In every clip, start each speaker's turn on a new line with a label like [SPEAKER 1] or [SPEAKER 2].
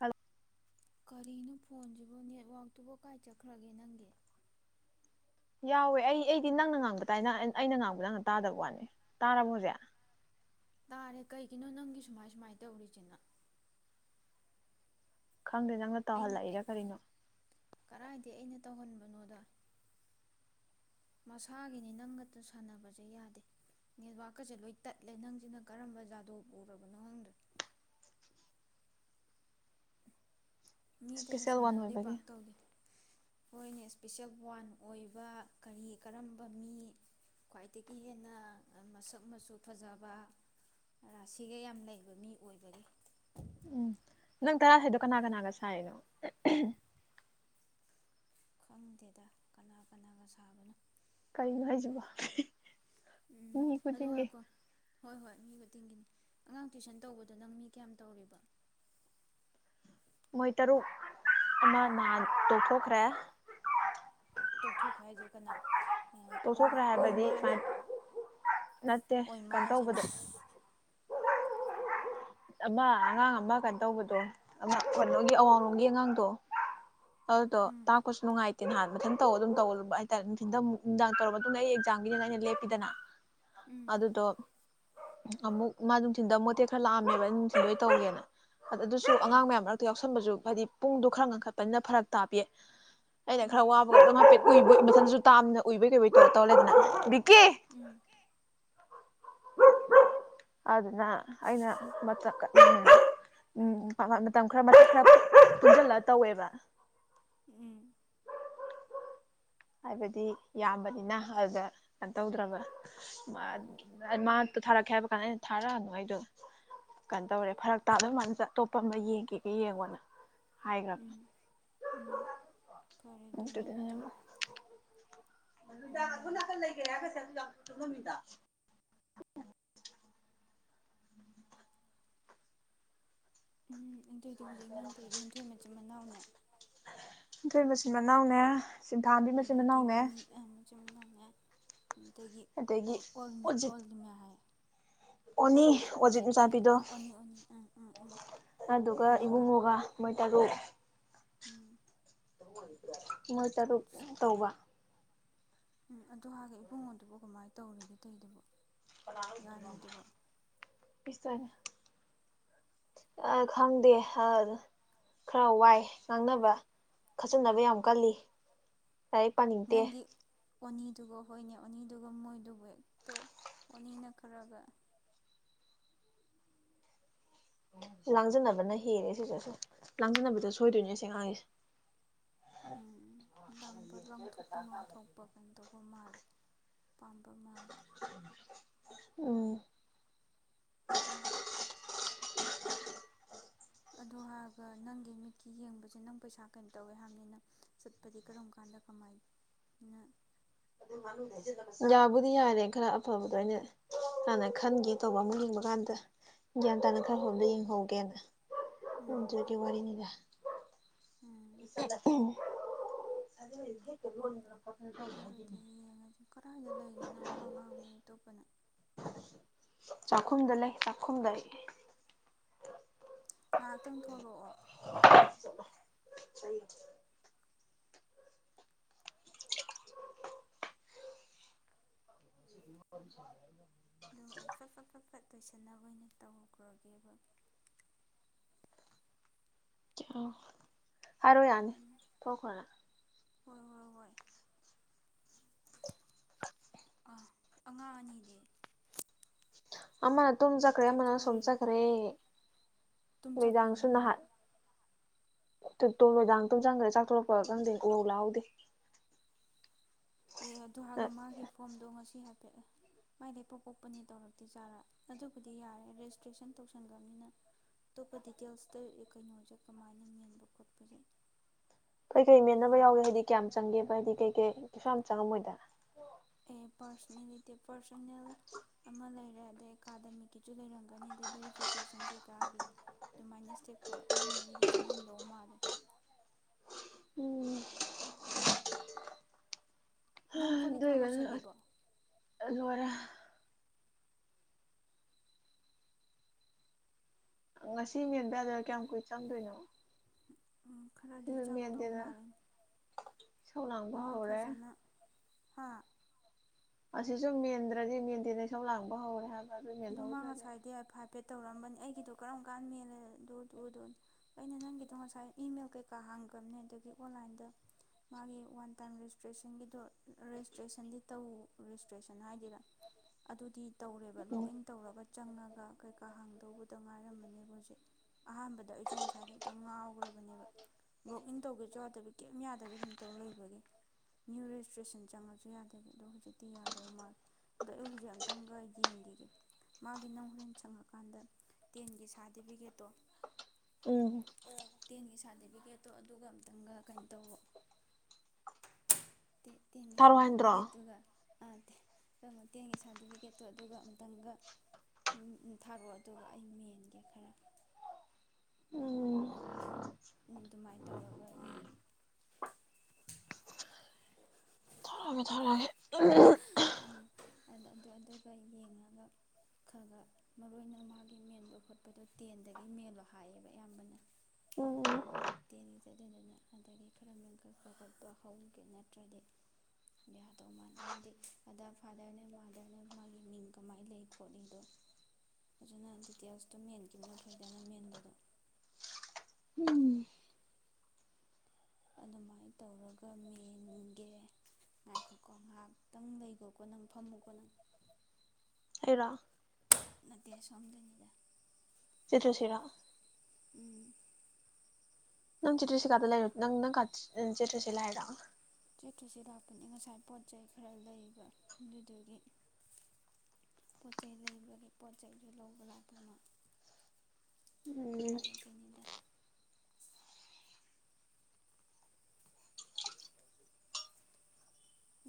[SPEAKER 1] ꯍ
[SPEAKER 2] ꯀꯔꯤꯅꯣ ꯐꯣꯟꯁꯤꯕꯨ ꯅꯦꯠꯋꯥꯛꯇꯨꯕꯨ ꯀꯥꯏ ꯆꯠꯈ꯭ꯔꯒꯦ ꯅꯪꯒꯤ
[SPEAKER 1] ꯌꯥꯎꯋꯦ ꯑꯩ ꯑꯩꯗꯤ ꯅꯪꯅ ꯉꯥꯡꯕ ꯇꯥꯏꯅ ꯑꯩꯅ ꯉꯥꯡꯕ ꯅꯪꯅ ꯇꯥꯗꯕ ꯋꯥꯅꯤ ꯇꯥꯔꯕ ꯍꯧꯖꯤꯛ
[SPEAKER 2] ꯇꯥꯔꯦ ꯀꯩꯒꯤꯅꯣ ꯅꯪꯤꯁꯨꯨ ꯃꯥꯥꯏꯁ ꯃꯥꯥꯏꯇꯧꯁꯤꯦꯅ
[SPEAKER 1] ꯈꯪꯗꯦ ꯅꯪꯅ ꯇꯧꯍꯜꯂꯛꯏꯔ ꯀꯔꯤꯅꯣ
[SPEAKER 2] ꯀꯗꯥꯥꯏꯗ ꯑꯩꯅ ꯇꯧꯍꯟꯕꯅꯣꯗ ꯃꯁꯥꯒꯤꯅꯤ ꯅꯪꯒꯇ ꯁꯥꯟꯅꯕꯁꯦ ꯌꯥꯗꯦ ꯅꯦꯠꯋꯥꯛꯀꯁꯦ ꯂꯣꯏ ꯇꯠꯂꯦ ꯅꯪꯁꯤꯅ ꯀꯔꯝꯕ ꯖꯥꯗꯣ ꯎꯔꯕꯅꯣ ꯈꯪꯗ꯭ꯔꯦ ꯃꯤ ꯑꯇꯩꯒ
[SPEAKER 1] ꯏꯁꯄꯤꯁꯦꯜ ꯋꯥꯟ
[SPEAKER 2] ꯁꯥꯟꯅꯕꯗꯤ
[SPEAKER 1] ꯑꯣꯏꯕꯒꯤ
[SPEAKER 2] ꯄꯥꯛ ꯇꯧꯗꯦ ꯑꯩꯈꯣꯏꯅ ꯏꯁꯄꯤꯁꯦꯜ ꯋꯥꯟ ꯑꯣꯏꯕ ꯀꯔꯤ ꯀꯔꯝꯕ ꯃꯤ ꯈ꯭ꯋꯥꯏꯗꯒꯤ ꯍꯦꯟꯅ ꯃꯁꯛ ꯃꯆꯨ ꯐꯖꯕ ꯔꯥꯁꯤꯒ ꯌꯥꯝ ꯂꯩꯕ ꯃꯤ ꯑꯣꯏꯕꯒꯦ
[SPEAKER 1] ꯎꯝ ꯅꯪ ꯇꯔꯥꯈꯗꯣ ꯀꯅꯥ ꯀꯅꯥꯒ ꯁꯥꯏꯅꯣ
[SPEAKER 2] ꯈꯪꯗꯦꯗ ꯀꯅꯥ ꯀꯅꯥꯒ ꯁꯥꯕꯅꯣ
[SPEAKER 1] ꯀꯩꯅꯣ ꯍꯥꯏꯖꯕ
[SPEAKER 2] ꯎꯝ
[SPEAKER 1] ꯃꯤ
[SPEAKER 2] ꯑꯗꯣ
[SPEAKER 1] ꯈꯨꯖꯤꯡꯒꯦ
[SPEAKER 2] ꯉꯥꯏꯈꯣ ꯍꯣꯏ ꯍꯣꯏ ꯃꯤ ꯈꯨ ꯇꯤꯡꯒꯤꯅꯤ ꯑꯉꯥꯡ ꯇ꯭ꯏꯁꯟ ꯇꯧꯕꯗꯣ ꯅꯪ ꯃꯤ ꯀꯌꯥꯝ ꯇꯧꯔꯤꯕ
[SPEAKER 1] ꯃꯣꯏ ꯇꯔꯨ ꯑ ꯃꯥ ꯇꯣ ꯐꯣꯈ ꯔꯦ
[SPEAKER 2] ꯇꯣꯛꯊꯣꯛꯈ꯭ꯔꯦ ꯍꯥꯏꯗꯨꯔ ꯀꯅꯥ ꯑꯣ
[SPEAKER 1] ꯇꯣꯛꯊꯣꯛꯈ꯭ꯔꯦ ꯍꯥꯏꯕꯗꯤ
[SPEAKER 2] ꯑꯣꯏꯃꯥꯅꯦ
[SPEAKER 1] ꯁꯨꯃꯥꯏꯅ ꯅꯠꯇꯦ
[SPEAKER 2] ꯑꯣꯏꯃꯥ
[SPEAKER 1] ꯀꯩꯅꯣ
[SPEAKER 2] ꯍꯥꯏꯁꯤꯅꯦ
[SPEAKER 1] ꯇꯧꯕꯗ ꯑꯃ ꯑꯉꯥꯡ ꯑꯃ ꯀꯩꯅꯣ ꯇꯧꯕꯗꯣ ꯑꯃ ꯀꯩꯅꯣꯒꯤ ꯑꯋꯥꯡꯂꯣꯝꯒꯤ ꯑꯉꯥꯡꯗꯣ ꯑꯗꯨꯗꯣ
[SPEAKER 2] ꯎꯝ
[SPEAKER 1] ꯇꯥꯛꯄꯥꯁꯨ ꯅꯨꯡꯥꯏ ꯅꯍꯥꯟ ꯃꯊꯪ ꯇꯧꯔ ꯑꯗꯨꯝ ꯇꯧ ꯍꯥꯏꯇꯥꯔꯦ ꯅꯨꯡꯊꯊ ꯅꯨꯡꯗꯥꯡ ꯇꯧꯔꯕ ꯃꯇꯨꯡꯗ ꯑꯩ ꯑꯦꯛꯖꯥꯝꯒꯤꯅꯤ ꯑꯩꯅ ꯂꯦꯞꯄꯤꯗꯅ
[SPEAKER 2] ꯎꯝ
[SPEAKER 1] ꯑꯗꯨꯗꯣ ꯑꯃꯛ ꯃꯥ ꯑꯗꯨꯝ ꯊꯤꯟꯗ ꯃꯇꯦꯛ ꯈꯔꯥ [unintelligible] ꯂꯣꯏ ꯇꯧꯒꯦꯅ ꯑ ꯑꯗꯨꯁꯨ
[SPEAKER 2] ꯎꯝ
[SPEAKER 1] ꯑꯉꯥꯡ ꯃꯌꯥꯝ ꯃꯔꯛꯇ ꯌꯥꯎꯁꯟꯕꯖꯨ ꯍꯥꯏꯗꯤ ꯄꯨꯡꯗꯣ ꯈꯔ ꯉꯟꯈꯠꯄꯅꯤꯅ ꯐꯔꯛ ꯇꯥꯄꯤꯌꯦ꯫ ꯑꯩꯅ
[SPEAKER 2] ꯎꯝ
[SPEAKER 1] ꯈꯔ ꯋꯥꯕꯒ [inaudible] ꯎꯨꯢꯕꯨꯢ ꯃꯊꯟꯗꯁꯨ ꯇꯥꯛꯑꯃꯤꯅ ꯎꯨꯏꯕꯣꯢ ꯀꯩꯕꯣꯢ ꯇꯧꯔ ꯇꯧꯔ ꯂꯩꯔꯦꯗꯅꯥ ꯕꯤꯀꯤ꯫
[SPEAKER 2] ꯎꯝ, ꯕꯤꯀꯤ꯫
[SPEAKER 1] [inaudible] ꯑꯗꯨꯅ ꯑꯩꯅ ꯃꯇꯀ ꯎꯝ ꯎꯝ ꯃꯇꯝ ꯈꯔ ꯃꯇꯦꯛ ꯈꯔ ꯄꯨꯟꯖꯜꯂ ꯇꯧꯋꯦꯕ꯫
[SPEAKER 2] ꯎꯝ꯫
[SPEAKER 1] ꯍꯥꯏꯕꯗꯤ ꯌꯥꯝꯕꯅꯤꯅ ꯑꯗꯨꯗ ꯀꯩꯅꯣ ꯇꯧꯗ꯭ꯔꯕ ꯃꯥ ꯃꯥ ꯊꯥꯔꯛꯀꯦ ꯍꯥꯏꯕ ꯀꯥꯟ ꯑꯩꯅ ꯊꯥꯔꯛꯑꯅꯨ ꯑꯩꯗꯣ ꯀꯩꯅꯣ ꯇꯧꯔꯦ ꯐꯔꯛ ꯇꯥꯗꯧ ꯃꯥꯟꯖ ꯑꯇꯣꯞꯄ ꯑꯃ ꯌꯦꯡꯒꯦꯒ ꯌꯦꯡꯉꯣꯅ꯫ ꯍꯥꯏꯒ꯭ꯔꯝ
[SPEAKER 2] ꯎꯝ ꯎꯝ ꯐꯔꯦ
[SPEAKER 1] ꯑꯗꯨꯗꯅꯅꯦ
[SPEAKER 2] ꯑꯗꯨꯅꯕꯨꯗꯤ
[SPEAKER 1] ꯃꯥ ꯃꯟꯗꯤꯇꯥ ꯑꯁꯣꯝ
[SPEAKER 2] ꯎꯝ
[SPEAKER 1] ꯅꯥꯀꯟ ꯃꯩꯒ꯭ꯔꯦ ꯍꯥꯢꯔꯒ [inaudible] [inaudible]
[SPEAKER 2] ꯎꯝ ꯑꯗꯨꯏꯗꯤ ꯍꯨꯖꯤꯛ ꯅꯪ ꯇꯧꯔꯤꯖꯦ ꯍꯦꯟꯊꯣꯏ ꯃꯆꯤꯟ ꯃꯅꯥꯎꯅꯦ
[SPEAKER 1] ꯍꯦꯟꯊꯣꯢ ꯃꯆꯤꯟ ꯃꯅꯥꯎꯅꯦ ꯁꯤꯟꯊꯥꯝꯕꯤ ꯃꯆꯤꯟ
[SPEAKER 2] ꯑꯗꯒꯤ
[SPEAKER 1] ꯃꯅꯥꯎꯅꯦ
[SPEAKER 2] ꯃꯅꯤꯡ ꯑ ꯃꯆꯤꯟ ꯃꯅꯥꯎꯅꯦ ꯑꯗꯒꯤ
[SPEAKER 1] ꯑꯗꯒꯤ
[SPEAKER 2] ꯑꯣꯜꯃꯤ
[SPEAKER 1] ꯑꯣꯖꯤꯠ
[SPEAKER 2] ꯑꯣꯜꯂꯤꯃꯥ ꯍꯥꯏ
[SPEAKER 1] ꯑꯣꯅꯤ ꯑꯣꯖꯤꯠ
[SPEAKER 2] ꯑꯣꯖꯤꯠꯀꯤ
[SPEAKER 1] ꯃꯆꯥꯄꯤꯗꯣ
[SPEAKER 2] ꯑꯥ ꯑꯣꯅꯤ ꯑꯣꯅꯤ ꯑꯥ ꯑꯥ ꯑꯥ
[SPEAKER 1] ꯑꯗꯨꯒ
[SPEAKER 2] ꯃꯣꯏ ꯃꯉꯥ
[SPEAKER 1] ꯏꯕꯨꯡꯉꯣꯒ ꯃꯣꯏ ꯇꯔꯨꯛ꯫
[SPEAKER 2] ꯎꯝ꯫
[SPEAKER 1] [inaudible] ꯃꯣꯏ ꯇꯔꯨꯛ ꯇꯧꯕ
[SPEAKER 2] ꯎꯝ ꯑꯗꯨ ꯍꯥꯏꯒꯦ ꯏꯕꯨꯡꯉꯣꯟꯗꯨꯕꯨ ꯀꯃꯥꯏꯅ ꯇꯧꯔꯤꯒꯦ ꯇꯩꯗꯨꯕꯨ ꯉꯥꯔꯤꯗꯨꯕꯣ
[SPEAKER 1] [inaudible] ꯑ ꯈꯪꯗꯦ ꯈꯔ ꯋꯥꯏ ꯉꯥꯡꯅꯕ ꯈꯆꯟꯅꯕ ꯌꯥꯝ ꯀꯜꯂꯤ ꯂꯥꯏ ꯄꯅꯤꯡꯇꯦ
[SPEAKER 2] ꯅꯪꯒꯤ ꯑꯣꯅꯤꯗꯨꯒ ꯍꯣꯏꯅꯦ ꯑꯣꯅꯤꯗꯨꯒ ꯃꯣꯏꯗꯨꯕꯨ ꯍꯦꯛꯇ ꯑꯣꯅꯤꯅ ꯈꯔꯒ
[SPEAKER 1] ꯂꯥꯡꯖꯟꯅꯅꯕꯅ ꯍꯦꯜꯔꯦ ꯁꯤꯗꯁꯨ ꯂꯥꯡꯖꯟꯅꯅꯕꯗ ꯁꯣꯏꯗꯣꯏꯅꯦ ꯁꯦꯉꯥꯡꯁꯦ
[SPEAKER 2] ꯎꯝ ꯎ ꯂꯥꯡꯕ ꯂꯪꯊꯣꯛꯄ ꯉꯥꯎꯊꯣꯛꯄ ꯀꯩꯅ ꯇꯧꯕ ꯃꯥꯜꯂꯤ ꯄꯥꯝꯕ ꯃꯥꯂꯦ
[SPEAKER 1] ꯎꯝ
[SPEAKER 2] ꯎꯝ ꯑꯗꯣ ꯍꯥꯏꯔꯒ ꯅꯪꯒꯤ ꯃꯤꯠꯀꯤ ꯌꯦꯡꯕꯁꯦ ꯅꯪ ꯄꯩꯁꯥ ꯀꯩꯅꯣ ꯇꯧꯋꯦ ꯍꯥꯏꯕꯅꯤꯅ ꯆꯠꯄꯗꯤ ꯀꯔꯝ ꯀꯥꯟꯗ ꯀꯃꯥꯏꯅ
[SPEAKER 1] [inaudible] ꯌꯥꯕꯨꯗꯤ ꯌꯥꯔꯦ ꯈꯔ ꯑꯐꯕꯗꯣ ꯑꯩꯅ ꯍꯥꯟꯅ ꯈꯟꯒꯦ ꯇꯧꯕ ꯑꯃꯨꯛ ꯂꯤꯡꯕ ꯀꯥꯟꯗ ꯒ꯭ꯌꯥꯟ ꯇꯥꯅ ꯈꯔ
[SPEAKER 2] ꯎꯝ
[SPEAKER 1] ꯐꯥꯕꯗ ꯌꯦꯡꯍꯧꯒꯦꯅ
[SPEAKER 2] ꯎꯝ ꯎꯝ
[SPEAKER 1] ꯎꯖ [inaudible] ꯋꯥꯔꯤꯅꯤꯗ
[SPEAKER 2] ꯎꯝ
[SPEAKER 1] [inaudible]
[SPEAKER 2] ꯍꯣꯏ ꯑꯗꯨꯗꯤ ꯌꯦꯡꯉꯁꯤ ꯀꯗꯥꯏꯗ ꯂꯩꯅꯣ ꯅꯪ ꯋꯥ ꯉꯥꯡꯉ ꯑꯇꯣꯞꯄꯅ
[SPEAKER 1] ꯆꯥꯛꯈꯨꯝꯗ ꯂꯩ ꯆꯥꯛꯈꯨꯝꯗ
[SPEAKER 2] ꯉꯥꯏꯍꯥꯛꯇꯪ ꯊꯣꯛꯂꯛꯑꯣ
[SPEAKER 1] ꯁ [inaudible] [inaudible]
[SPEAKER 2] ꯑꯗꯣ ꯑꯩꯐ ꯐ ꯐ ꯐ ꯇꯣꯏꯁꯟꯅꯕ ꯑꯣꯏꯅ ꯇꯧꯈ꯭ꯔꯒꯦꯕ
[SPEAKER 1] ꯑ ꯍꯥꯏꯔꯣ ꯌꯥꯅꯤ
[SPEAKER 2] ꯎꯝ
[SPEAKER 1] ꯊꯣꯛꯈꯔ
[SPEAKER 2] ꯍꯣꯏ ꯍꯣꯏ ꯍꯣꯏ ꯑꯥ ꯑꯉꯥꯡ ꯑꯅꯤꯗꯤ
[SPEAKER 1] ꯑꯃ ꯇꯝ ꯆꯈꯔꯦ ꯃꯅꯥ ꯁꯣꯝ ꯆ ꯈꯔꯦ
[SPEAKER 2] ꯇꯨꯡ ꯆ ꯐ꯭ꯔꯤꯅ ꯀꯅꯥ
[SPEAKER 1] ꯇꯣ ꯂꯣꯏꯗꯥꯡ ꯇꯨꯝ ꯆꯪꯈ꯭ꯔ ꯆꯥꯛꯊꯣꯣꯔꯛꯄꯒ ꯈꯪꯗꯦ ꯎꯍꯧ ꯂꯥꯛꯍꯧꯗꯦ
[SPEAKER 2] ꯑꯦ ꯑꯗꯨ ꯍꯥꯏꯔꯒ ꯃꯥꯒꯤ ꯐꯣꯝꯗꯣ ꯉꯁꯤ ꯍꯥꯏ ꯃꯥꯏ ꯂꯩꯄꯣꯛ ꯄꯣꯛꯄꯅꯦ ꯇꯧꯔꯛꯇꯦ ꯆꯖꯥꯔꯥ ꯑꯗꯨꯕꯨꯗꯤ ꯌꯥꯔꯦ ꯔꯦꯖꯤꯁꯇ꯭ꯔꯦꯁꯟ ꯇꯧꯁꯟꯈꯕꯅꯤꯅ ꯑꯇꯣꯞꯄ ꯗꯤꯇꯦꯜꯁꯇ ꯀꯩꯅꯣꯁꯦ ꯀꯃꯥꯏꯅ ꯃꯦꯟꯕ ꯈꯣꯠꯄꯁꯦ
[SPEAKER 1] ꯀꯩ ꯀꯩ ꯃꯦꯟꯅꯕ ꯌꯥꯎꯏꯦ
[SPEAKER 2] ꯌꯦꯡꯉꯒꯦ
[SPEAKER 1] ꯍꯥꯏꯗꯤ ꯀꯌꯥꯝ ꯆꯪꯒꯦꯕ ꯍꯥꯏꯗꯤ ꯀꯩ ꯀꯦ ꯀꯩꯁꯨ ꯌꯥꯝ ꯆꯪꯉꯝꯃꯣꯏꯗ
[SPEAKER 2] ꯑꯦ ꯄꯔꯁꯅꯦꯇꯤ ꯄꯥꯔꯁꯅꯦꯜ ꯑꯃ ꯂꯩꯔꯦ ꯑꯗꯩ ꯑꯦꯀꯥꯗꯃꯤꯛꯀꯤꯁꯨ ꯂꯩꯔꯝꯒꯅꯤ ꯑꯗꯩ ꯚꯦꯔꯤꯐꯤꯀꯦꯁꯟ ꯀꯩꯀꯥꯒꯤ ꯑꯗꯨꯃꯥꯏꯅ ꯏꯁꯇꯦꯞꯇꯣ ꯑꯍꯨꯝ ꯃꯔꯤꯗꯤ ꯆꯪꯉꯝꯗꯧ ꯃꯥꯜꯂꯦ
[SPEAKER 1] ꯎꯝ
[SPEAKER 2] ꯅꯪ ꯀꯣꯜ
[SPEAKER 1] ꯑꯗꯨ
[SPEAKER 2] ꯂꯤꯈꯥꯛ ꯂꯣꯏꯁꯜꯂꯤꯕꯣ
[SPEAKER 1] ꯂꯔ ꯉꯁꯤ ꯃꯦꯟꯗꯥꯗ ꯀꯌꯥꯝ ꯀꯨꯏ ꯆꯪꯗꯣꯏꯅꯣ
[SPEAKER 2] ꯈꯔꯗꯤ
[SPEAKER 1] ꯁꯤꯁꯨ
[SPEAKER 2] ꯆꯪꯗꯧ
[SPEAKER 1] ꯃꯦꯟꯗꯦꯅ
[SPEAKER 2] ꯃꯥꯜꯂꯤꯅꯤ
[SPEAKER 1] ꯏꯁꯧ ꯂꯥꯡꯕ
[SPEAKER 2] ꯑꯗꯨꯅ
[SPEAKER 1] ꯍꯧꯔꯦ
[SPEAKER 2] ꯐꯖꯅ ꯍꯥꯥ
[SPEAKER 1] ꯑꯁꯤꯁꯨ ꯃꯦꯟꯗ꯭ꯔꯗꯤ ꯃꯦꯟꯇꯦꯅꯦꯟꯁ ꯌꯥ ꯂꯥꯡꯕ ꯍꯧꯔꯦ ꯍꯥꯏꯕ
[SPEAKER 2] ꯑꯗꯨ ꯃꯥ ꯉꯁꯥꯏꯗꯤꯏ ꯐ ꯄꯦ ꯇꯧꯔꯝꯕꯅꯤ ꯑꯩꯒꯤꯗꯣ ꯀꯔꯝ ꯀꯥꯟ ꯃꯦꯜꯂꯦ ꯑꯗꯨꯗꯨꯗꯣ ꯑꯩꯅ ꯅꯪꯒꯤꯗꯣ ꯉꯁꯥꯏ ꯏꯃꯦꯜ ꯀꯩꯀꯥ ꯍꯥꯡꯈ꯭ꯔꯕꯅꯦ ꯑꯗꯒꯤ ꯑꯣꯟꯂꯥꯏꯟꯗ ꯃꯥꯒꯤ ꯋꯥꯟ ꯇꯥꯏꯝ ꯔꯦꯖꯤꯁꯇ꯭ꯔꯦꯁꯟꯒꯤꯗꯣ ꯔꯦꯖꯤꯁꯇ꯭ꯔꯦꯁꯟꯗꯤ ꯇꯧ ꯔꯦꯖꯤꯁꯇ꯭ꯔꯦꯁꯟ ꯍꯥꯏꯗꯔꯥ ꯑꯗꯨꯗꯤ ꯇꯧꯔꯦꯕ ꯂꯣꯛ ꯂꯣꯛ
[SPEAKER 1] ꯎꯝ
[SPEAKER 2] ꯏꯟ ꯇꯧꯔꯒ ꯆꯪꯉꯒ ꯀꯩꯀꯥ ꯍꯥꯡꯗꯧꯕꯗ ꯉꯥꯏꯔꯝꯕꯅꯦꯕ ꯍꯧꯖꯤꯛ ꯑꯍꯥꯟꯕꯗ ꯑꯩꯁꯨ ꯉꯁꯥꯏꯗ ꯍꯦꯛꯇ ꯉꯥꯎꯈ꯭ꯔꯕꯅꯦꯕ ꯂꯣꯛ ꯏꯟ ꯇꯧꯒꯦꯁꯨ ꯌꯥꯗꯕꯤ ꯀꯔꯤꯝ ꯌꯥꯗꯕꯤ ꯑꯗꯨꯝ ꯇꯧ ꯂꯩꯕꯒꯤ ꯅ꯭ꯌꯨ ꯔꯦꯖꯤꯁꯇ꯭ꯔꯦꯁꯟ ꯆꯪꯉꯁꯨ ꯌꯥꯗꯕꯤ ꯑꯗꯣ ꯍꯧꯖꯤꯛꯇꯤ ꯌꯥꯗꯧ ꯃꯥꯜꯜꯂꯤꯦ ꯑꯗꯣ ꯑꯩ ꯍꯧꯖꯤꯛ ꯑꯝꯇꯪꯒ ꯌꯦꯡꯈꯤꯒꯦ ꯃꯥꯒꯤ ꯅꯪ ꯍꯣꯔꯦꯟ ꯆꯪꯉꯀꯥꯟꯗ ꯇꯦꯟꯒꯤ ꯁꯥꯔꯇꯤꯐꯤꯀꯦꯠꯇꯣ
[SPEAKER 1] ꯎꯝ
[SPEAKER 2] ꯇꯦꯟꯒꯤ ꯁꯥꯔꯇꯤꯐꯤꯀꯦꯠꯇꯣ ꯑꯗꯨꯒ ꯑꯝꯇꯪꯒ ꯀꯩꯅꯣ ꯇꯋ ꯇꯦꯟꯒꯤ
[SPEAKER 1] ꯊꯥꯔꯛꯑꯣ ꯍꯥꯏꯟꯗ꯭ꯔꯣ
[SPEAKER 2] ꯁꯥꯔꯇꯤꯐꯤꯀꯦꯠꯇꯨꯒ ꯑꯥꯦ ꯃꯇ ꯃꯇꯦꯡꯒꯤ ꯁꯥꯔꯇꯤꯐꯤꯀꯦꯠꯇꯣ ꯑꯗꯨꯒ ꯑꯃꯨ ꯈꯤꯇꯪꯒ ꯊꯥꯔꯑꯣ ꯑꯗꯨꯒ ꯑꯩ ꯃꯦꯟꯒꯦ ꯈꯔ
[SPEAKER 1] ꯎꯝ
[SPEAKER 2] ꯑꯗꯨꯃꯥꯏꯅ ꯇꯧꯔꯒ ꯌꯦꯡꯉꯤ
[SPEAKER 1] ꯊꯔꯒꯦ ꯊꯔꯒꯦ
[SPEAKER 2] ꯑꯗ ꯑꯗꯨ ꯑꯗꯨꯒ ꯌꯦꯡꯉꯒ ꯈꯔ ꯈꯔ ꯃꯔꯨ ꯑꯣꯏꯅ ꯃꯥꯒꯤ ꯃꯦꯟꯕ ꯈꯣꯠꯄꯗꯣ ꯇꯦꯟꯗꯒꯤ ꯃꯦꯜꯂꯣ ꯍꯥꯏꯌꯦꯕ ꯑꯌꯥꯝꯕꯅ
[SPEAKER 1] ꯎꯝ
[SPEAKER 2] ꯇꯦꯟꯜꯂꯤ ꯆꯠꯠꯇꯗꯅ ꯑꯗꯒꯤ ꯈꯔ ꯃꯦꯟꯈꯠꯄ ꯈꯠꯄ ꯍꯧꯒꯦ ꯅꯠꯇ꯭ꯔꯗꯤ ꯕꯤꯌꯥ ꯇꯧ ꯃꯥꯟꯗꯦ ꯍꯥꯏꯕꯗꯤ ꯑꯗ ꯐꯥꯗꯔꯅꯦ ꯃꯥꯗꯔꯅꯦ ꯃꯥꯒꯤ ꯃꯤꯡ ꯀꯃꯥꯏꯅ ꯂꯩ ꯈꯣꯠꯂꯤꯗꯣ ꯑꯗꯨꯅ ꯗꯤꯇꯦꯜꯁꯇꯣ ꯃꯦꯟꯈꯤꯕꯅ ꯐꯩꯗꯅ ꯃꯦꯟꯕꯗꯣ
[SPEAKER 1] ꯎꯝ
[SPEAKER 2] ꯑꯗꯨꯃꯥꯏꯅ ꯇꯧꯔꯒ ꯃꯦꯟꯒꯦ ꯉꯥꯏꯈꯣꯠꯀꯣ ꯉꯥꯏꯍꯥꯛꯇꯪ ꯂꯩꯈꯣꯀꯣ ꯅꯪ ꯐꯝꯃꯨꯀꯣ ꯅꯪ
[SPEAKER 1] ꯑꯦꯔ
[SPEAKER 2] ꯅꯠꯇꯦ ꯁꯣꯝꯗꯣꯏꯅꯤꯗ
[SPEAKER 1] [unintelligible] ꯁꯤꯔꯥ ꯅꯪ ꯆꯤꯠꯁꯤꯂꯥꯗ ꯅꯪ ꯅꯪ ꯆꯤꯠ꯭ꯔꯁꯤꯂꯥꯏ
[SPEAKER 2] ꯆꯠꯇ꯭ꯔꯁꯤ ꯂꯥꯛꯄꯅꯤ ꯉꯁꯥꯏ ꯄꯣꯠ ꯆꯩ ꯈꯔ ꯂꯩꯕ ꯑꯗꯨꯗꯨꯒꯤ ꯄꯣꯠ ꯆꯩꯩ ꯂꯩꯕꯒꯤ ꯄꯣꯠ ꯆꯩꯗꯨ ꯂꯧꯕ ꯂꯥꯛꯄ ꯃꯥ
[SPEAKER 1] ꯎꯝ [inaudible]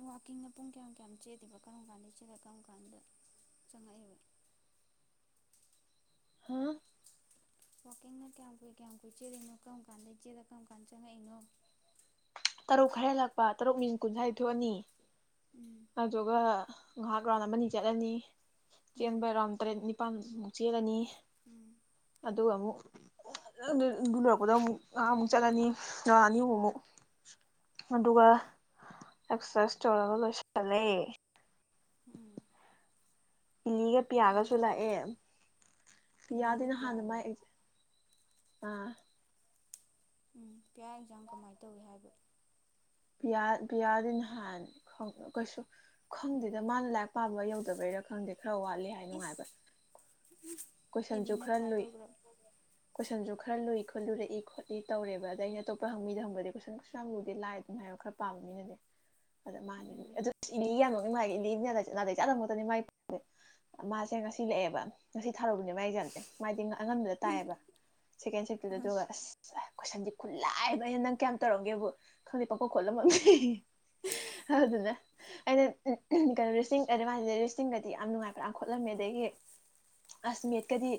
[SPEAKER 2] ꯋꯥꯛꯀꯤꯡꯅ ꯄꯨꯡ ꯀꯌꯥꯝ ꯀꯌꯥꯝ ꯆꯦꯂꯤꯕ ꯀꯔꯝ ꯀꯥꯟꯗ ꯆꯦꯜꯂ ꯀꯔꯝ ꯀꯥꯟꯗ ꯆꯪꯉꯛꯏꯕ
[SPEAKER 1] ꯍꯥ
[SPEAKER 2] ꯋꯥꯛꯀꯤꯡꯅ ꯀꯌꯥꯝ ꯀꯨꯏ ꯀꯌꯥꯝ ꯀꯨꯏ ꯆꯦꯂꯤꯅꯣ ꯀꯔꯝ ꯀꯥꯟꯗ ꯗꯩꯩ ꯆꯦꯂ ꯀꯔꯝ ꯀꯥꯟꯗ ꯆꯪꯉꯛꯏꯅꯣ
[SPEAKER 1] ꯇꯔꯨꯛ ꯈꯔ ꯂꯥꯛꯄ ꯇꯔꯨꯛ ꯃꯤꯅꯤ ꯀꯨꯟ ꯁ꯭ꯋꯥꯏ ꯊꯣꯛꯑꯅꯤ
[SPEAKER 2] ꯎꯝ
[SPEAKER 1] ꯑꯗꯨꯒ ꯉꯥꯏꯍꯥꯛ ꯔꯥꯎꯟ ꯑꯃꯅꯤ ꯆꯠꯂꯅꯤ
[SPEAKER 2] ꯎꯝ
[SPEAKER 1] ꯆꯦꯟꯕ ꯔꯥꯎꯟ ꯇꯔꯦꯠ ꯄꯥꯟ ꯃꯨ ꯆꯦꯂꯅꯤ
[SPEAKER 2] ꯎꯝ
[SPEAKER 1] ꯑꯗꯨ ꯑꯃꯨꯛ [inaudible] ꯗ ꯑꯃꯨꯛ ꯉꯍꯥ ꯑꯃꯨꯛ
[SPEAKER 2] ꯎꯝ
[SPEAKER 1] ꯆꯠꯂꯅꯤ ꯉꯥꯛꯑꯅꯤ
[SPEAKER 2] ꯆꯠꯂꯅꯤ
[SPEAKER 1] ꯑꯃꯨꯛ ꯑꯃꯨꯛ [inaudible] ꯑꯗꯨꯒ
[SPEAKER 2] ꯎꯝ
[SPEAKER 1] ꯑꯛꯁꯔ ꯇꯧꯔꯒ ꯂꯣꯏ ꯁꯜꯂꯦ
[SPEAKER 2] ꯎꯝ
[SPEAKER 1] ꯏꯂꯤꯒ ꯄꯤꯌꯥꯒꯁꯨ
[SPEAKER 2] ꯑꯗꯨꯒ
[SPEAKER 1] ꯂꯥꯛꯑꯦ ꯄꯤꯌꯥꯗꯤ
[SPEAKER 2] ꯏꯂꯤꯒ
[SPEAKER 1] ꯅꯍꯥꯟꯅ
[SPEAKER 2] ꯄꯤꯌꯥꯒ
[SPEAKER 1] ꯃꯥꯏ ꯑꯥ
[SPEAKER 2] ꯎꯝ ꯄꯤꯌꯥ ꯑꯦꯖꯥꯝ ꯀꯃꯥꯏ ꯇꯧꯏ ꯍꯥꯏꯒꯦ
[SPEAKER 1] ꯄꯤꯌꯥꯗꯤ ꯅꯍꯥꯟ ꯈ ꯀꯩꯁꯨ ꯈꯪꯗꯦꯗ ꯃꯥꯅ ꯂꯥꯏꯔꯤꯛ ꯄꯥꯕ ꯌꯧꯗꯕꯩꯔꯥ ꯈꯪꯗꯦ ꯈꯔ ꯋꯥꯠꯂꯦ ꯍꯥꯏ
[SPEAKER 2] ꯏꯁ
[SPEAKER 1] ꯅꯨꯡꯉꯥꯏꯕ ꯀꯣꯏꯁꯟꯁꯨ
[SPEAKER 2] ꯏꯂꯤꯅ
[SPEAKER 1] ꯈꯔ
[SPEAKER 2] ꯀꯃꯥꯏꯅ
[SPEAKER 1] ꯂꯨꯏ
[SPEAKER 2] ꯇꯧꯈ꯭ꯔꯕ
[SPEAKER 1] ꯀꯣꯏꯁꯟꯁꯨ ꯈꯔ ꯂꯨꯏ ꯈꯣꯠꯂꯨꯔꯛꯏ ꯈꯣꯠꯂꯤ ꯇꯧꯔꯦꯕ ꯑꯗ ꯑꯩꯅ ꯑꯇꯣꯞꯄ ꯍꯪꯕꯤꯗ ꯍꯪꯕꯗꯤ ꯀꯨꯣꯏꯁꯟ ꯀꯨꯁꯥꯡ ꯂꯨꯗꯦ ꯂꯥꯏ ꯑꯗꯨꯝ ꯍꯥꯏꯕ ꯈꯔ ꯄꯥꯝꯕ ꯃꯤꯅꯗꯤ ꯑꯗ ꯃꯥꯅꯦꯅꯤ
[SPEAKER 2] ꯎꯝ
[SPEAKER 1] ꯑꯗꯨ ꯏꯅꯦ ꯌꯥꯝ ꯃꯥꯥꯏ ꯏꯂꯤꯅꯦ ꯅꯥꯗꯩ ꯆꯥꯃꯛꯇꯅꯤ ꯃꯥꯏꯗꯤ ꯃꯥꯁꯦ ꯉꯁꯤ ꯂꯦꯛꯑꯦꯕ ꯉꯁꯤ ꯊꯥꯔꯨꯕꯅꯦ ꯃꯥꯏ ꯑꯦꯖꯥꯝꯁꯦ ꯃꯥꯥꯏꯗꯤ ꯑꯉꯟꯕꯗ ꯇꯥꯏꯌꯦꯕ ꯁꯦꯀꯦꯟ ꯁꯤꯞ ꯇꯨꯗ ꯑꯗꯨꯒ ꯑꯁ ꯀꯣꯏꯁꯟꯗꯤ ꯈꯨꯠꯂꯥꯏꯕ ꯑꯩꯅ ꯅꯪ ꯀꯌꯥꯝ ꯇꯧꯔꯝꯒꯦꯕꯨ ꯈꯪꯗꯦ ꯄꯪꯈꯣꯛ ꯈꯣꯠꯂꯝꯃꯝ ꯍꯗꯨꯗꯨꯅ ꯑꯩꯅ [unintelligible] ꯀꯩꯅꯣ ꯔꯤꯁꯤꯡꯗꯗꯤ ꯌꯥꯝ ꯅꯨꯡꯉꯥꯏꯕ꯭ꯔꯥ ꯈꯣꯠꯂꯝꯃꯦ ꯑꯗꯒꯤ ꯑꯁ ꯃꯦꯠꯀꯗꯤ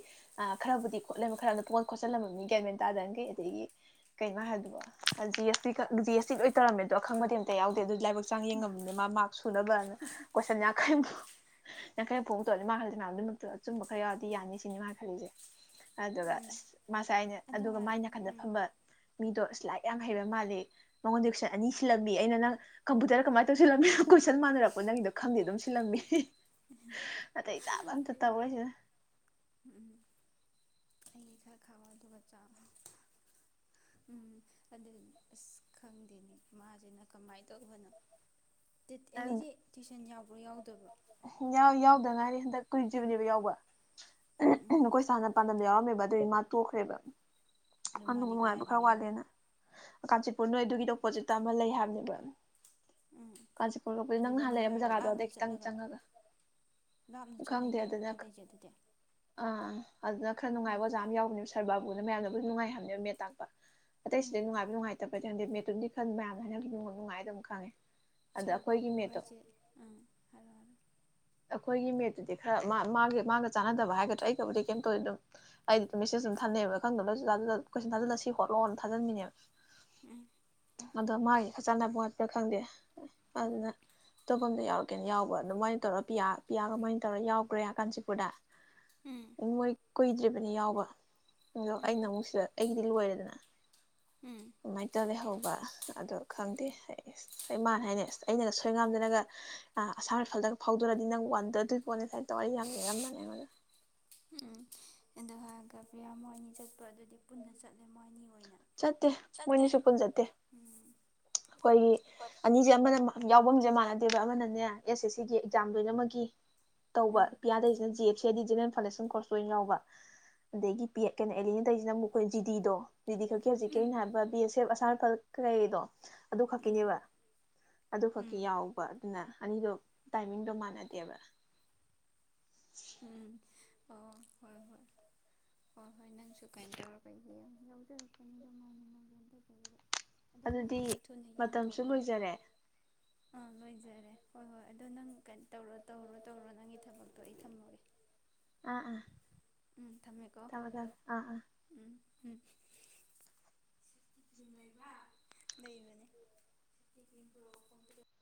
[SPEAKER 1] ꯈꯔꯕꯨꯗꯤ ꯈꯣꯠꯂꯝꯃꯦ ꯈꯔ ꯄꯣꯟ ꯈꯣꯠꯆꯜꯂꯝꯕ ꯒꯌꯥꯔꯃꯦꯟ ꯇꯥꯗꯒꯩ ꯑꯗꯒꯤ ꯀꯩꯅꯣ ꯍꯥꯏꯕꯗꯣ G S T G S T ꯂꯣꯏ ꯇꯧꯔꯝꯃꯦꯗꯣ ꯑꯈꯪꯕꯗꯤ ꯑꯝꯇ ꯌꯥꯎꯗꯦ ꯑꯗꯨ ꯂꯥꯏꯕꯛ ꯆꯥꯡ ꯌꯦꯡꯉꯕꯅꯦ ꯃꯥꯛ ꯁꯨꯅꯕꯅ ꯀꯣꯏꯁꯟ ꯌꯥꯡꯈꯩ ꯀꯨ ꯌꯥꯡꯈꯩ ꯐꯣꯡ ꯇꯣꯛꯑ ꯃꯥ ꯍꯥꯏ ꯑꯁꯨꯝꯕ ꯈꯔ ꯌꯥꯎꯔꯗꯤ ꯌꯥꯅꯤ ꯁꯤꯅꯤ ꯃꯥꯅ ꯈꯜꯂꯤꯁꯦ ꯑꯗꯨꯒ
[SPEAKER 2] ꯎꯝ
[SPEAKER 1] ꯑꯁ ꯃꯥꯁꯥꯏ ꯑꯩꯅ
[SPEAKER 2] ꯑꯗꯣ
[SPEAKER 1] ꯑꯗꯨꯒ ꯃꯥꯏ
[SPEAKER 2] ꯉꯥꯏꯈꯣ
[SPEAKER 1] ꯅꯥꯀꯟꯗ
[SPEAKER 2] ꯎꯝ
[SPEAKER 1] ꯐꯝꯕ ꯃꯤꯗꯣ ꯑꯁ ꯂꯥꯏꯛ ꯌꯥꯝ ꯍꯩꯕ ꯃꯥꯜꯜꯂꯤ ꯃꯉꯣꯟꯗ ꯀꯣꯏꯁꯟ ꯑꯅꯤ ꯁꯤꯜꯂꯝꯃꯤ ꯑꯩꯅ ꯅꯪ ꯀꯝꯄꯨꯇꯔ ꯀꯃꯥꯏꯅ ꯇꯧꯁꯤꯜꯂꯝꯃꯤ ꯀꯣꯏꯁꯟ ꯃꯥꯟꯅꯔꯛꯄ ꯅꯪꯒꯤꯗꯣ ꯈꯪꯗꯦ ꯑꯗꯨꯝ ꯁꯤꯂꯝꯕꯤ ꯅꯇꯩ ꯆꯥꯕ ꯑꯝꯇ
[SPEAKER 2] ꯑꯩ
[SPEAKER 1] [inaudible]
[SPEAKER 2] ꯎꯝ ꯎꯝ ꯑꯩ ꯈꯔ ꯈꯕ ꯑꯗꯨꯒ ꯆ ꯎꯝ ꯑꯗꯨꯗꯤ ꯑꯁ ꯈꯪꯗꯦꯅꯤ ꯃꯥꯁꯤꯅ ꯀꯃꯥꯏꯅ ꯇꯧꯕꯅꯣ ꯑꯦꯜꯂꯤꯖꯦ ꯇꯨꯏꯁꯟ ꯌꯥꯎꯕ꯭ꯔꯣ ꯌꯥꯎꯗꯕ꯭ꯔꯣ
[SPEAKER 1] ꯗ ꯉꯥꯏꯔꯤ ꯍꯟꯗꯛ ꯀꯨꯏꯗ꯭ꯔꯤꯕꯅꯦꯕ ꯌꯥꯎꯕ ꯎ ꯎꯝ ꯑꯩꯈꯣꯏ ꯁꯥꯔꯅ ꯄꯥꯟꯗꯝ ꯗ ꯌꯥꯎꯔꯝꯃꯦꯕ ꯑꯗꯨꯏ ꯃꯥ ꯇꯣꯛꯈ꯭ꯔꯦꯕ
[SPEAKER 2] ꯑꯗꯨ
[SPEAKER 1] ꯑꯗꯨꯃꯨꯛ
[SPEAKER 2] ꯃꯥꯗꯤ
[SPEAKER 1] ꯅꯨꯡꯉꯥꯏꯕ ꯈꯔ
[SPEAKER 2] ꯀꯗꯥꯏꯗꯒꯤ ꯍꯥꯏꯕ
[SPEAKER 1] ꯋꯥꯠꯂꯦꯅ ꯀꯥꯟꯆꯤꯠ ꯍꯣ ꯅꯣꯏ ꯑꯗꯨꯒꯤꯗꯣ ꯑꯣꯄꯣꯠꯖꯤꯠꯇ ꯑꯃ ꯂꯩ ꯍꯥꯏꯕꯅꯦꯕ
[SPEAKER 2] ꯎꯝ
[SPEAKER 1] ꯀꯥꯟꯆꯤꯄꯨꯔ ꯂꯣꯛꯄꯗ ꯅꯪ
[SPEAKER 2] ꯑꯗꯨꯗ
[SPEAKER 1] ꯅꯍꯥꯟ
[SPEAKER 2] ꯑꯃꯨꯛ
[SPEAKER 1] ꯂꯩꯔꯝꯕ
[SPEAKER 2] ꯌꯥꯏꯔꯣ
[SPEAKER 1] ꯖꯒꯥꯗꯣ
[SPEAKER 2] ꯂꯥꯞꯅ
[SPEAKER 1] ꯑꯗꯩ ꯈꯤꯇꯪ
[SPEAKER 2] ꯆꯠꯂꯒ
[SPEAKER 1] ꯆꯪꯉꯒ
[SPEAKER 2] ꯂꯥꯞꯅ
[SPEAKER 1] ꯎ
[SPEAKER 2] ꯆꯠꯂ
[SPEAKER 1] ꯈꯪꯗꯦ
[SPEAKER 2] ꯌꯥꯏꯔꯣ
[SPEAKER 1] ꯑꯗꯨꯅ
[SPEAKER 2] ꯃꯥ
[SPEAKER 1] ꯈ
[SPEAKER 2] ꯇꯩꯁꯦ ꯑꯗꯨꯗꯤ
[SPEAKER 1] ꯑꯥ ꯑꯗꯨꯅ ꯈꯔ ꯅꯨꯡꯉꯥꯏꯕ
[SPEAKER 2] ꯎꯝ
[SPEAKER 1] ꯑꯣꯖꯥ ꯑꯃ ꯌꯥꯎꯕꯅꯦ ꯁꯥꯔ ꯕꯥꯕꯨꯅ ꯃꯌꯥꯝꯅꯕꯨ ꯅꯨꯡꯉꯥꯏ ꯍꯥꯏꯕꯅꯦꯕ ꯃꯦꯠ ꯇꯥꯛꯄ
[SPEAKER 2] ꯎꯝ
[SPEAKER 1] ꯑꯇꯩꯁꯤꯗꯩ ꯅꯨꯡꯉꯥꯏꯕ ꯅꯨꯡꯉꯥꯏꯇꯕ ꯄꯩꯇꯩꯍꯟꯗꯤ ꯃꯦꯠꯇꯨꯝꯗꯤ ꯈꯟ ꯃꯌꯥꯝꯅ ꯍꯥꯏꯅꯒꯤ ꯅꯨꯡꯉꯥꯏ ꯑꯗꯨꯝ ꯈꯪꯉꯦ ꯑꯗ
[SPEAKER 2] ꯁꯥꯔ
[SPEAKER 1] ꯑꯩꯈꯣꯏꯒꯤ
[SPEAKER 2] ꯕꯥꯕꯨ
[SPEAKER 1] ꯃꯦꯠꯇꯣ
[SPEAKER 2] ꯍꯥꯏꯁꯦ ꯑꯪ ꯍꯥꯏꯔꯛꯑꯣ
[SPEAKER 1] ꯑꯩꯈꯣꯏꯒꯤ ꯃꯦꯠꯇꯨꯗꯤ ꯈꯔ ꯃꯥ ꯃꯥꯒꯤ ꯃꯥꯒ ꯆꯥꯟꯅꯗꯕ ꯍꯥꯏꯒꯗ꯭ꯔꯥ ꯑꯩꯒꯕꯨꯗꯤ ꯀꯩꯝ ꯇꯧꯗꯦ ꯑꯗꯨꯝ ꯑꯩꯗꯤ ꯗꯨꯝ ꯃꯦꯁꯦꯖ ꯑꯗꯨꯝ ꯊꯥꯅꯩꯕ ꯈꯪꯗꯕꯅ ꯖꯨ ꯖꯥ ꯖꯨ ꯖꯥ ꯀꯣꯏꯁꯟ ꯊꯥꯖꯜꯂ ꯁꯤ ꯍꯣꯠꯂꯣꯅ ꯊꯥꯖꯟꯕꯤꯅꯦꯕ
[SPEAKER 2] ꯎꯝ
[SPEAKER 1] ꯑꯗꯣ ꯃꯥꯒꯤ ꯈ ꯆꯥꯟꯅꯕ ꯋꯥꯠꯄ꯭ꯔꯥ ꯈꯪꯗꯦ ꯑꯗꯨꯅ ꯑꯇꯣꯞꯄ ꯑꯝꯗ ꯌꯥꯎꯔꯛꯀꯦꯅ ꯌꯥꯎꯕ ꯑꯗꯨꯃꯥꯏꯅ ꯇꯧꯔ ꯄꯤꯌꯥ ꯄꯤꯌꯥꯒ ꯃꯣꯏꯅꯤ ꯇꯧꯔ ꯌꯥꯎꯒ꯭ꯔꯦ ꯀꯥꯟꯆꯤꯄꯨꯔꯗ ꯎꯝ ꯃꯣꯏꯅꯤꯛ ꯀꯨꯏꯗ꯭ꯔꯤꯕꯅꯤ ꯌꯥꯎꯕ ꯑꯗꯣ
[SPEAKER 2] ꯎꯝ
[SPEAKER 1] ꯑꯩꯅ ꯑꯃꯨꯛ ꯁꯤꯗ ꯑꯩꯒꯤ ꯗꯤ ꯂꯣꯏꯔꯦꯗꯅ
[SPEAKER 2] ꯎꯝ
[SPEAKER 1] ꯃꯥꯏꯟ ꯇ ꯂꯩꯍꯧꯕ ꯑꯗꯣ ꯈꯪꯗꯦ ꯑꯩ ꯑꯁ ꯑꯩ ꯃꯥꯟꯅ ꯍꯥꯏꯅꯦ ꯑꯁ ꯑꯩꯅꯒ ꯁꯣꯏ ꯉꯥꯝꯗꯅꯒ ꯑꯥ ꯑꯁꯥꯝ ꯔꯥꯏꯐꯜꯗ ꯐꯪ ꯍꯧꯗ꯭ꯔꯗꯤ ꯅꯪ ꯋꯥꯟꯗꯗꯣꯏꯄꯣꯠꯅꯤ ꯀꯥꯏꯅ ꯇꯧꯔ ꯑꯩ ꯌꯥꯝ ꯌꯥꯝ ꯂꯤꯔꯝꯕꯅꯤ ꯑꯩꯉꯣꯟꯗ
[SPEAKER 2] ꯒ ꯄ꯭ꯔꯤꯌꯥ ꯃꯣꯏꯑꯅꯤ ꯆꯠꯄ ꯑꯗꯨꯗꯤ ꯄꯨꯟꯅ ꯆꯠꯂꯦ ꯃꯣꯏꯑꯅꯤ
[SPEAKER 1] ꯆꯠꯇꯦ ꯃꯣꯏꯑꯅꯤꯁꯨ ꯄꯨꯟ ꯆꯠꯇꯦ
[SPEAKER 2] ꯎꯝ
[SPEAKER 1] ꯑꯩꯈꯣꯏꯒꯤ
[SPEAKER 2] ꯍꯣꯏ
[SPEAKER 1] ꯑꯅꯤꯁꯦ ꯑꯃꯅ ꯌꯥꯎꯕꯝꯖꯦ ꯃꯥꯟꯅꯗꯦꯕ ꯑꯃꯅꯅꯦ ꯑꯦꯁ ꯑꯦꯁ ꯁꯤꯒꯤ ꯑꯦꯛꯖꯥꯝ ꯂꯣꯏꯅꯃꯛꯀꯤ ꯇꯧꯕ
[SPEAKER 2] ꯎꯝ
[SPEAKER 1] ꯄꯤꯌꯥꯇꯩꯁꯤꯅ ꯖꯤ ꯑꯦꯞ ꯖꯦ ꯗꯤ ꯖꯦꯅꯔꯦꯜ ꯐꯥꯎꯟꯗꯦꯁꯟ ꯀꯣꯔꯁ ꯂꯣꯏꯅ ꯌꯥꯎꯕ ꯑꯗꯒꯤ ꯄꯤꯌꯩ ꯀꯩꯅꯣ ꯑꯦꯂꯤꯅꯇꯩꯖꯤꯅ ꯑꯃꯨꯛ ꯑꯩꯈꯣꯏ ꯖꯤ ꯗꯤꯗꯣ ꯖꯤ ꯗꯤ ꯈꯛꯀꯤ ꯍꯧꯖꯤꯛꯀꯤ
[SPEAKER 2] ꯎꯝ
[SPEAKER 1] ꯑꯩꯅ ꯍꯥꯏꯕ ꯕꯦꯁ ꯇꯦꯞ ꯑꯁꯥꯝ ꯔꯥꯏꯐꯜ ꯈꯔ ꯂꯩꯔꯤꯗꯣ ꯑꯗꯨ
[SPEAKER 2] ꯎꯝ
[SPEAKER 1] ꯈꯛꯀꯤꯅꯦꯕ ꯑꯗꯨ ꯈꯛꯀꯤ
[SPEAKER 2] ꯎꯝ
[SPEAKER 1] ꯌꯥꯎꯕ ꯑꯗꯨꯅ ꯑꯅꯤꯗꯣ ꯇꯥꯏꯃꯤꯡꯗꯣ ꯃꯥꯟꯅꯗꯦꯕ
[SPEAKER 2] ꯎꯝ ꯁꯁ ꯑꯣ ꯍꯣꯏ ꯍꯣꯏ ꯍꯣꯏ ꯍꯣꯏ ꯅꯪꯁꯨ ꯀꯩꯟꯇꯧꯔꯛꯀꯅꯤ ꯌꯦꯡꯉꯨ ꯌꯥꯎꯖꯔꯛꯀꯅꯤꯗ ꯑꯗꯨꯃꯥꯏꯅ ꯅꯪ
[SPEAKER 1] ꯑꯗꯨꯗꯤ ꯃꯇꯝꯁꯨ ꯂꯣꯏꯖꯔꯦ
[SPEAKER 2] ꯑꯥ ꯂꯣꯏꯖꯔꯦ ꯍꯣꯏ ꯍꯣꯏ ꯑꯗꯣ ꯅꯪ ꯀꯩꯅꯣ ꯇꯧꯔꯣ ꯇꯧꯔꯣ ꯇꯧꯔꯣ ꯅꯪꯒꯤ ꯊꯕꯛꯇꯣ ꯑꯩ ꯊꯝꯃ
[SPEAKER 1] ꯑꯥ ꯑꯥ
[SPEAKER 2] ꯎꯝ ꯊꯝꯃꯦꯀꯣ
[SPEAKER 1] ꯇꯕ꯭ꯔꯥ ꯑꯥ ꯑꯥ
[SPEAKER 2] ꯎꯝ ꯎꯝ [inaudible] ꯂꯩꯕꯅꯦ